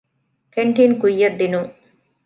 ކެންޓީން ކުއްޔަށްދިނުން